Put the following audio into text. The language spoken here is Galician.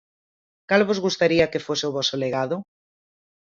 Cal vos gustaría que fose o voso legado?